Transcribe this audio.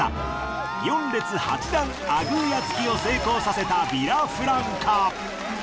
４列８段アグーヤ付きを成功させたヴィラフランカ。